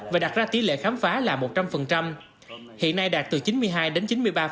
và đặt ra tỷ lệ khám phá là một trăm linh hiện nay đạt từ chín mươi hai đến chín mươi ba